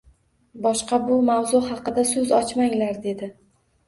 Boshqa bu mavzu haqida so`z ochmanglar, dedi